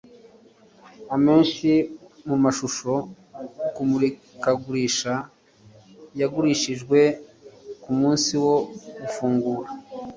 amenshi mumashusho kumurikagurisha yagurishijwe kumunsi wo gufungura